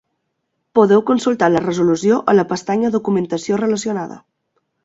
Podeu consultar la resolució a la pestanya "Documentació relacionada".